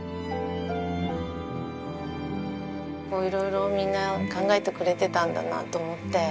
色々みんな考えてくれていたんだなと思って。